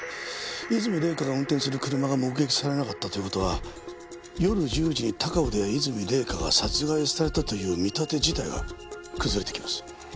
和泉礼香が運転する車が目撃されなかったという事は夜１０時に高尾で和泉礼香が殺害されたという見立て自体が崩れてきます。